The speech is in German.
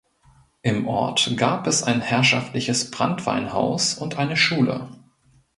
Im Ort gab es ein herrschaftliches Branntweinhaus und eine Schule.